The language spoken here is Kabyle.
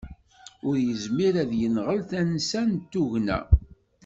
Ur yezmir ad yenɣel tansa n tugna